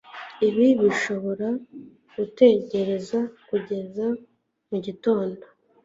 Ibi birashobora gutegereza kugeza mugitondo